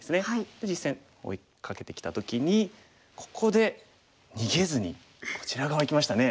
で実戦追いかけてきた時にここで逃げずにこちら側いきましたね。